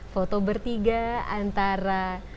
foto bertiga antara